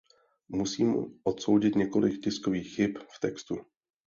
Musím odsoudit několik tiskových chyb v textu.